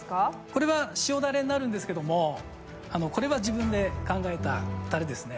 これは塩ダレになるんですけどもあのこれは自分で考えたタレですね。